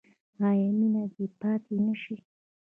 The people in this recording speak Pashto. آیا مینه دې پاتې نشي؟